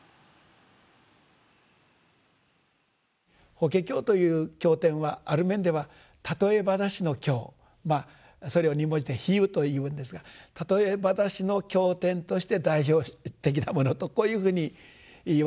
「法華経」という経典はある面では譬え話の経それを２文字で「比喩」というんですが譬え話の経典として代表的なものとこういうふうにいわれるわけで。